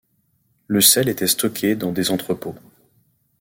Le sel était stocké dans des entrepôts.